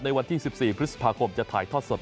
วันที่๑๔พฤษภาคมจะถ่ายทอดสด